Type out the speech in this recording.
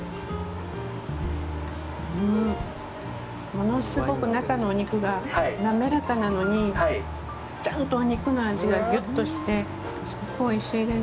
物すごく中のお肉が滑らかなのにちゃんとお肉の味がぎゅっとしてすごくおいしいです。